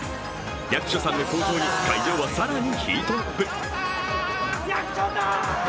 役所さんの登場に会場は更にヒートアップ。